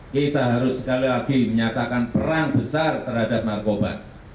kita harus sekali lagi menyatakan perang besar terhadap narkoba